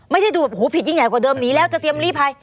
ไม่ได้ดูแบบหูผิดยิ่งใหญ่กว่าเดิมหนีแล้วจะเตรียมลีภัย